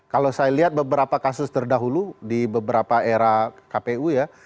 kalau saya lihat beberapa kasus terdahulu di beberapa era kpu ya